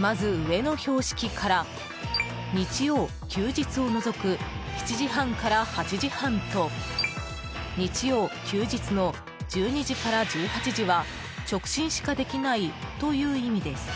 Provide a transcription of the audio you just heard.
まず、上の標識から日曜・休日を除く７時半から８時半と日曜・休日の１２時から１８時は直進しかできないという意味です。